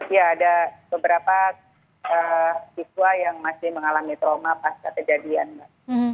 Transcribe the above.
ya ada beberapa siswa yang masih mengalami trauma pas kejadian mbak